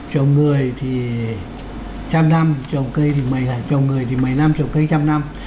chồng người thì trăm năm chồng cây thì mấy năm chồng người thì mấy năm chồng cây trăm năm